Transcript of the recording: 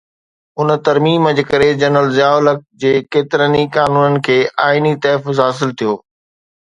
ان ترميم جي ڪري جنرل ضياءُ الحق جي ڪيترن ئي قانونن کي آئيني تحفظ حاصل ٿيو.